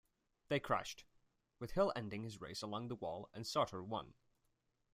They crashed, with Hill ending his race along the wall and Sauter won.